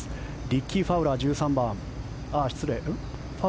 リッキー・ファウラー、１３番。